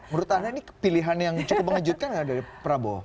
menurut anda ini pilihan yang cukup mengejutkan nggak dari prabowo